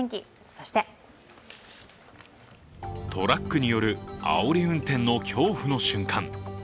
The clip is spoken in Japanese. そしてトラックによるあおり運転の恐怖の瞬間。